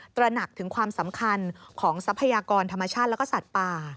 ตระหนักถึงความสำคัญของทรัพยากรธรรมชาติแล้วก็สัตว์ป่า